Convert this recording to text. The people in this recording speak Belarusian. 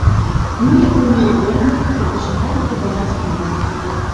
Мы яго не выконваем і пачынаем прадаваць піва.